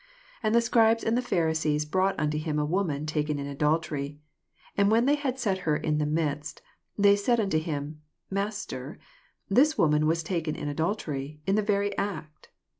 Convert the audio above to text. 3 And the aeribes and Pharisees brought unto him a wonum taken in adultery; and when they had set her in the midst, 4 They say unto him, Master, this woman was taken in adultery, in the very act.